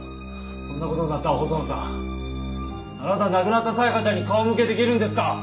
そんな事になったら細野さんあなた亡くなった紗弥香ちゃんに顔向けできるんですか！？